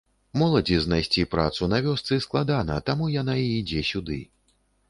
Моладзі знайсці працу на вёсцы складана, таму яна і ідзе сюды.